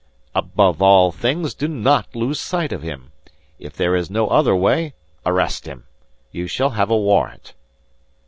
"Above all things, do not lose sight of him. If there is no other way, arrest him. You shall have a warrant."